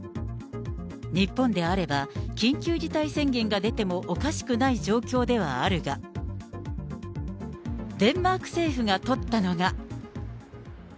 日本であれば、緊急事態宣言が出てもおかしくない状況ではあるが、デンマーク政府が取ったのが。